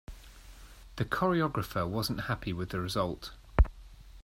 The choreographer wasn't happy with the result.